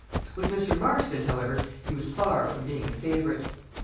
With Mr. Marston, however, he was far from being a favorite.